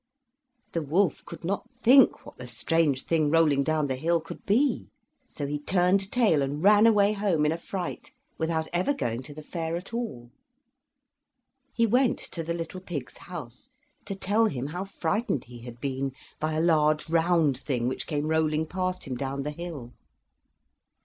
The wolf could not think what the strange thing rolling down the hill could be; so he turned tail and ran away home in a fright without ever going to the fair at all. He went to the little pig's house to tell him how frightened he had been by a large round thing which came rolling past him down the hill.